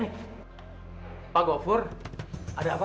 apa apapun yang sudah saya lakukan